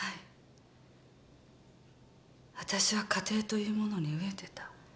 私は家庭というものに飢えてた。